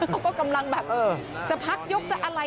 เขาก็กำลังแบบจะพักยกจะอะไร